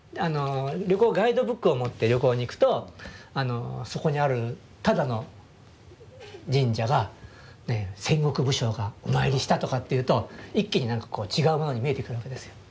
ガイドブックを持って旅行に行くとそこにあるただの神社が戦国武将がお参りしたとかっていうと一気に何かこう違うものに見えてくるわけですよ。